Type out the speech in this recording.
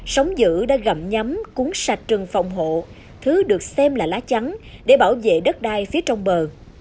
sống dữ đã gặm nhắm cuốn sạch trần phòng hộ thứ được xem là lá trắng để bảo vệ đất đai phía trong bờ